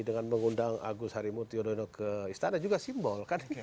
dengan mengundang agus harimurti yudhoyono ke istana juga simbol